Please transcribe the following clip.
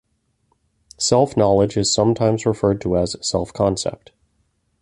Self-knowledge is sometimes referred to as self-concept.